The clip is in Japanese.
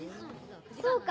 そうか！